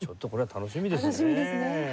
楽しみですね。